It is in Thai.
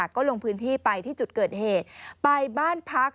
ก็ลงพื้นที่ไปที่จุดเกิดเหตุไปบ้านพัก